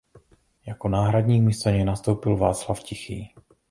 Jako náhradník místo něj nastoupil Václav Tichý.